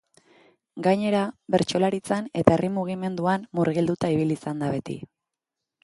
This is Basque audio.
Gainera, bertsolaritzan eta herri mugimenduan murgilduta ibili izan da beti.